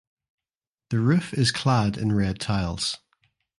The roof is clad in red tiles.